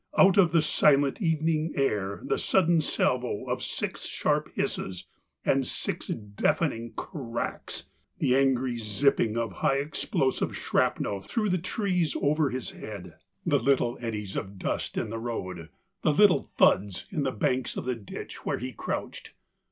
Out of the silent evening air the sudden salvo of six sharp hisses and six deafening cracks, the angry zipping of high explosive shrapnel through the trees over his head, the little THE COWARD 123 eddies of dust in the road, the little thuds in the banks of the ditch where he crouched.